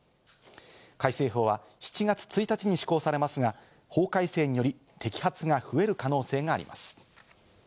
改正法は７月１日に施行されますが、法改正により摘発が増える可能性があります。